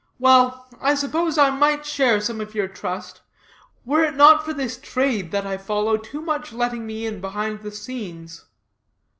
Well, I suppose I might share some of your trust, were it not for this trade, that I follow, too much letting me in behind the scenes."